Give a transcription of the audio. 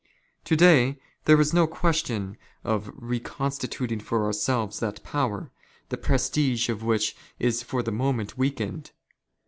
To day there is no " question of reconstituting for ourselves that power, the prestige '' of which is for the moment weakened.